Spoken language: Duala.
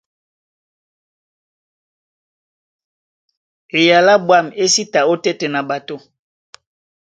Eyala á ɓwâm é sí ta ótétena ɓato.